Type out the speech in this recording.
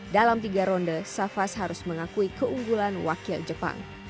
dalam tiga ronde safas harus mengakui keunggulan wakil jepang